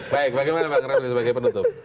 baik bagaimana pak ngerang sebagai penutup